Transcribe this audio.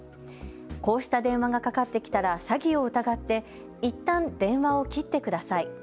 こうした電話がかかってきたら詐欺を疑っていったん電話を切ってください。